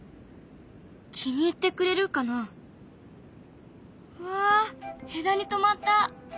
気に入ってくれるかな？わ枝にとまった。